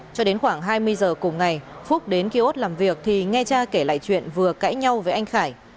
cho đến khoảng hai mươi giờ cùng ngày phúc đến kiosk làm việc thì nghe cha kể lại chuyện vừa cãi nhau với anh khải